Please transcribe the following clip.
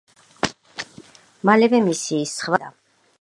მალევე მისი სხვა ნამუშევრებიც გამოჩნდა.